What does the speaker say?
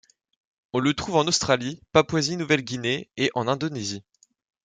On le trouve en Australie, Papouasie-Nouvelle-Guinée et en Indonésie.